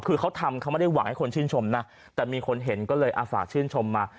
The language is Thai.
คือเขาทำเขาไม่ได้หวังให้คนชื่นชมนะแต่มีคนเห็นก็เลยอาฝากชื่นชมมา